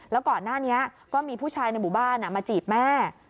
แล้วก่อนหน้านี้ก็มีผู้ชายในหมู่บ้านมาจีบแม่